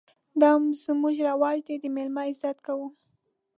_دا زموږ رواج دی، د مېلمه عزت کوو.